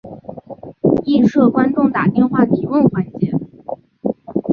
亦设观众打电话提问环节。